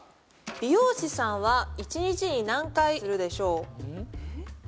「美容師さんは一日に何回するでしょう」